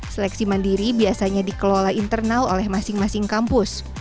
seleksi mandiri biasanya dikelola internal oleh masing masing kampus